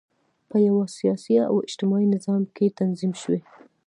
په یوه سیاسي او اجتماعي نظام کې تنظیم شوي.